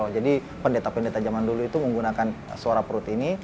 jadi pendeta pendeta zaman dulu itu menggunakan suara perut ini